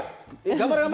頑張れ！